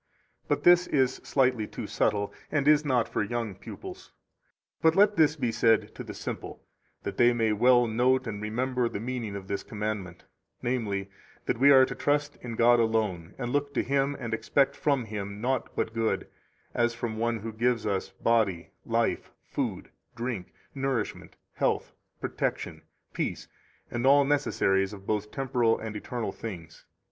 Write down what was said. But this is slightly too subtile, and is not for young pupils. 24 But let this be said to the simple, that they may well note and remember the meaning of this commandment, namely, that we are to trust in God alone, and look to Him and expect from Him naught but good, as from one who gives us body, life, food, drink, nourishment, health, protection, peace, and all necessaries of both temporal and eternal things.